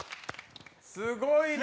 すごいね。